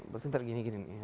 berarti ntar gini gini